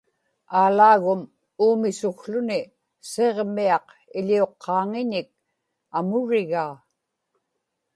Aalaagum uumisukłuni Siġmiaq iḷiuqqaaŋiñik amurigaa